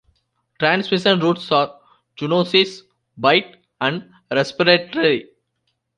Transmission routes are zoonosis, bite, and respiratory.